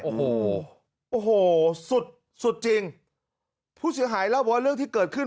โอ้โหโอ้โหสุดสุดจริงผู้เสียหายเล่าว่าเรื่องที่เกิดขึ้น